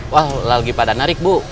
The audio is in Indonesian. wah lagi pada narik bu